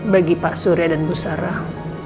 bagi pak surya dan bu sarah